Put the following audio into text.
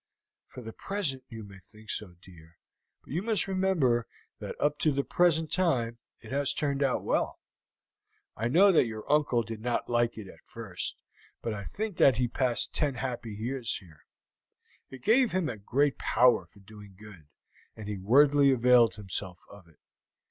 "For the present you may think so, dear; but you must remember that up to the present time it has turned out well. I know that your uncle did not like it at first, but I think that he passed ten happy years here. It gave him a great power for doing good, and he worthily availed himself of it.